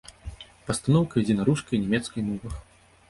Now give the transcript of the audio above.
Пастаноўка ідзе на рускай і нямецкай мовах.